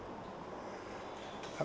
thủy điện xi măng và hóa chất